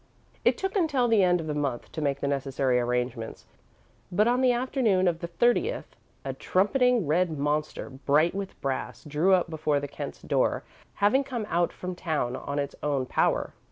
It took until the end of the month to make the necessary arrangements, but on the afternoon of the thirtieth, a trumpeting red monster, bright with brass, drew up before the Kent's door, having come out from town on its own power.